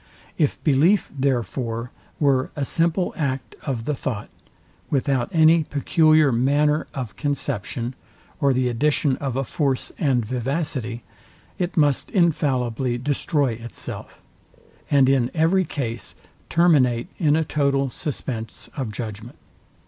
If belief, therefore, were a simple act of the thought, without any peculiar manner of conception, or the addition of a force and vivacity, it must infallibly destroy itself, and in every case terminate in a total suspense of judgment.